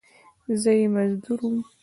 زه یې مزدور وم !